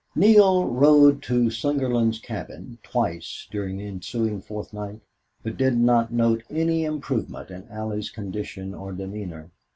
7 Neale rode to Slingerland's cabin twice during the ensuing fortnight, but did not note any improvement in Allie's condition or demeanor.